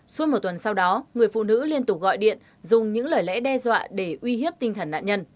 suốt một tuần sau đó người phụ nữ liên tục gọi điện dùng những lời lẽ đe dọa để uy hiếp tinh thần nạn nhân